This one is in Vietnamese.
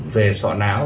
về sọ não